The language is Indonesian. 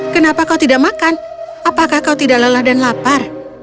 kenapa kau tidak makan apakah kau tidak lelah dan lapar